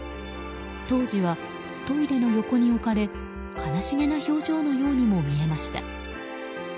当時はトイレの横に置かれ悲しげな表情のようにも見えました。